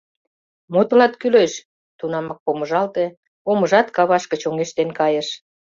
Мо тылат кӱлеш? — тунамак помыжалте, омыжат кавашке чоҥештен кайыш.